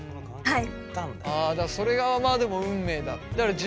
はい。